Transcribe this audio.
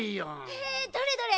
へえどれどれ？